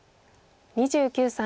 ２９歳。